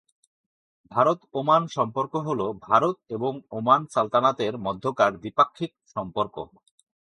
ভারত-ওমান সম্পর্ক হল ভারত এবং ওমান সালতানাতের মধ্যকার দ্বিপাক্ষিক সম্পর্ক।